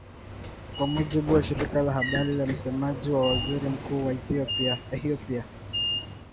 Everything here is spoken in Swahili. Kwa mujibu wa shirika la habari la msemaji wa waziri mkuu wa Ehiopia